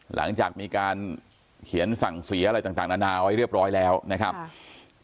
หลังจากมีการเขียนสั่งเสียอะไรต่างนานาไว้เรียบร้อยแล้วนะครับ